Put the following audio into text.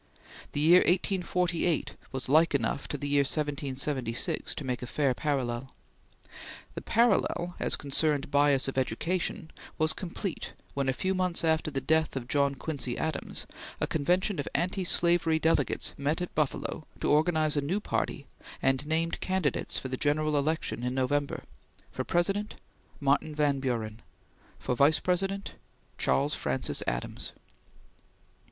The year 1848 was like enough to the year 1776 to make a fair parallel. The parallel, as concerned bias of education, was complete when, a few months after the death of John Quincy Adams, a convention of anti slavery delegates met at Buffalo to organize a new party and named candidates for the general election in November: for President, Martin Van Buren; for Vice President, Charles Francis Adams.